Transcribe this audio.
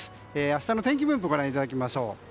明日の天気分布をご覧いただきましょう。